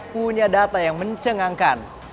punya data yang mencengangkan